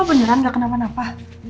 beneran gak kenapa napa